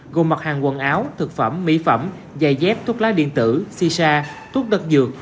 gồm mặt hàng quần áo thực phẩm mỹ phẩm giày dép thuốc lá điện tử si sa thuốc đất dược